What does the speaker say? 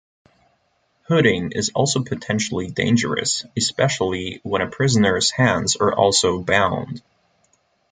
Hooding is also potentially dangerous, especially when a prisoner's hands are also bound.